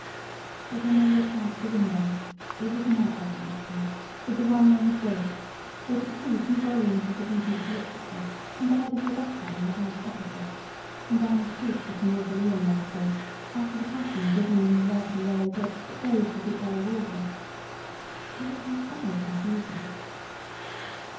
But when they looked out of the window it was not their own street, but the one they had built; they could see two volumes of the "Beauties of Literature" and the head of Rebecca in the house opposite, and down the street was the Mausoleum they had built after the pattern given in the red and yellow book that goes with the All Wool bricks. It was all very confusing.